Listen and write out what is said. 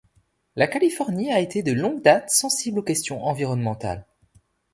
La Californie a été de longue date sensible aux questions environnementales.